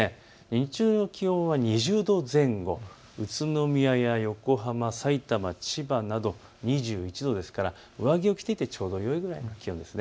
日中の気温は２０度前後、宇都宮や横浜、さいたま、千葉など、２１度ですから上着を着ていてちょうどよいくらいの気温です。